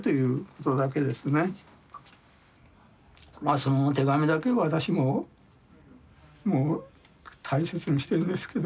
その手紙だけは私ももう大切にしてるんですけど。